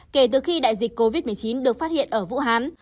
kể từ khi đại dịch covid một mươi chín được phát hiện ở vũ hán